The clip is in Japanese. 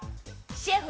シェフ。